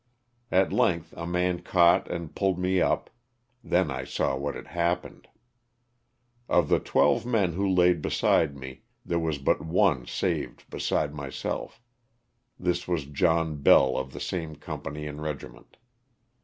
At length a man caught and pulled me up, then I saw what had happened. Of the twelve men who laid beside me, there was but one saved beside myself, this was John Bell of the same com pany and regiment.